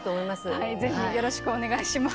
はい是非よろしくお願いします。